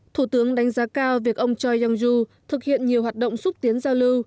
thủ tướng đánh giá cao việc ông choi yong yu thực hiện nhiều hoạt động xúc tiến giao lưu